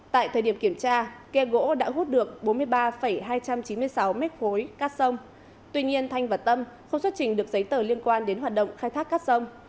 tại thời điểm kiểm tra cây gỗ đã hút được bốn mươi ba hai trăm chín mươi sáu mét khối cát sông tuy nhiên thanh và tâm không xuất trình được giấy tờ liên quan đến hoạt động khai thác cát sông